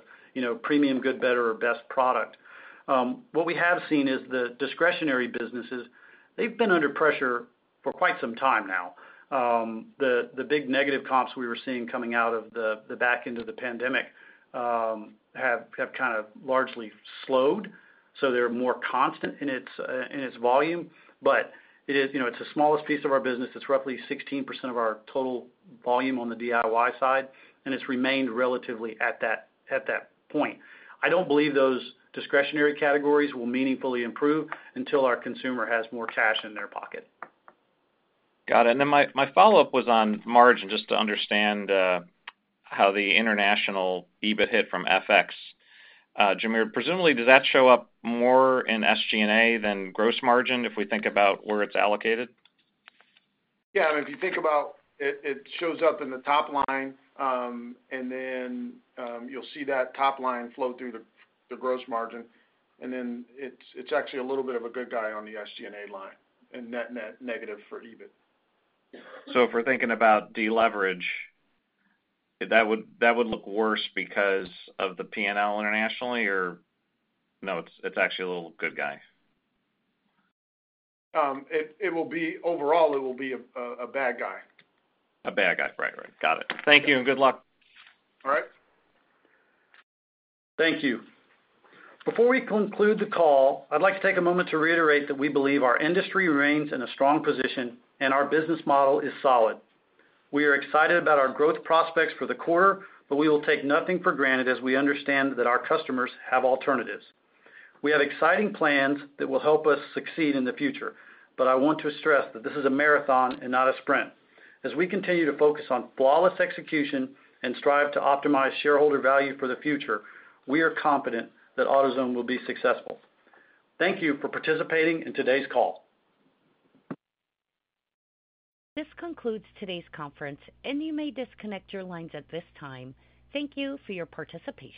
C: premium, good, better, or best product. What we have seen is the discretionary businesses, they have been under pressure for quite some time now. The big negative comps we were seeing coming out of the back end of the pandemic have kind of largely slowed. They are more constant in its volume. It is the smallest piece of our business. It is roughly 16% of our total volume on the DIY side. It has remained relatively at that point. I do not believe those discretionary categories will meaningfully improve until our consumer has more cash in their pocket.
O: Got it. My follow-up was on margin, just to understand how the international EBIT hit from FX. Jamere, presumably, does that show up more in SG&A than gross margin if we think about where it's allocated?
D: Yeah. I mean, if you think about it, it shows up in the top line. And then you'll see that top line flow through the gross margin. And then it's actually a little bit of a good guy on the SG&A line and net negative for EBIT.
O: If we're thinking about deleverage, that would look worse because of the P&L internationally or no, it's actually a little good guy?
D: Overall, it will be a bad guy.
O: A bad guy. Right. Right. Got it. Thank you. Good luck.
D: All right.
C: Thank you. Before we conclude the call, I'd like to take a moment to reiterate that we believe our industry remains in a strong position and our business model is solid. We are excited about our growth prospects for the quarter, but we will take nothing for granted as we understand that our customers have alternatives. We have exciting plans that will help us succeed in the future. I want to stress that this is a marathon and not a sprint. As we continue to focus on flawless execution and strive to optimize shareholder value for the future, we are confident that AutoZone will be successful. Thank you for participating in today's call.
A: This concludes today's conference, and you may disconnect your lines at this time. Thank you for your participation.